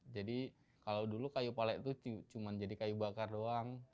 jadi kalau dulu kayu palet itu cuma jadi kayu bakar doang